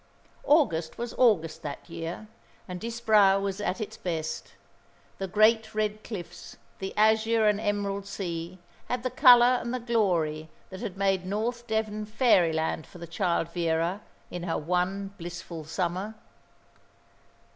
August was August that year, and Disbrowe was at its best. The great red cliffs, the azure and emerald sea had the colour and the glory that had made North Devon fairyland for the child Vera in her one blissful summer.